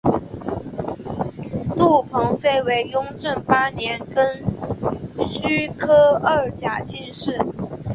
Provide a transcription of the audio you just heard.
林鹏飞为雍正八年庚戌科二甲进士。